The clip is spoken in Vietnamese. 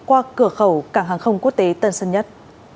qua cửa khẩu cảng hàng không quốc tế tân sơn nhất